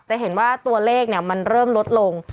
จะเห็นว่าตัวเลขมันเริ่มลดลง